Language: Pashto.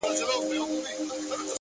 دعا ، دعا ،دعا ، دعا كومه،